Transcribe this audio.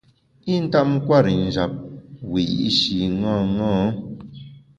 I ntap nkwer i njap wiyi’shi ṅaṅâ.